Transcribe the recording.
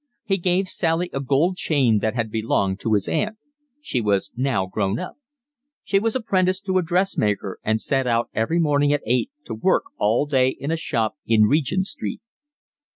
He gave Sally a gold chain that had belonged to his aunt. She was now grown up. She was apprenticed to a dressmaker and set out every morning at eight to work all day in a shop in Regent Street.